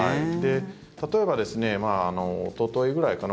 例えばおとといぐらいかな